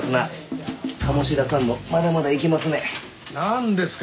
鴨志田さんもまだまだいけますね。